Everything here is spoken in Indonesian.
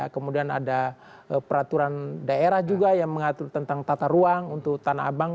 kemudian ada peraturan daerah juga yang mengatur tentang tata ruang untuk tanah abang